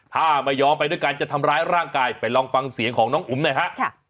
ถ้าไม่ยอมไปด้วยกันจะทำร้ายร่างกายไปลองฟังเสียงของน้องอุ๋มหน่อยฮะ